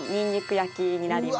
焼きになります。